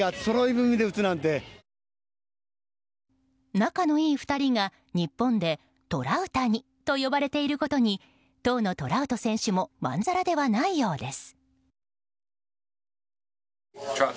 仲のいい２人が日本でトラウタニと呼ばれていることに当のトラウト選手もまんざらではないようです。